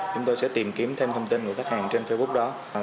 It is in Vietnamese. chúng tôi sẽ tìm kiếm thêm thông tin của khách hàng trên facebook đó